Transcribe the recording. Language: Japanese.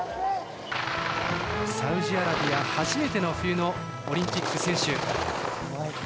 サウジアラビア初めての冬のオリンピック選手。